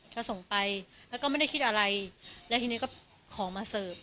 ก็ส่งไปแล้วก็ไม่ได้คิดอะไรแล้วทีนี้ก็ของมาเสิร์ฟ